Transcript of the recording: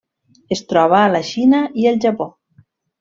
Es troba a la Xina i el Japó.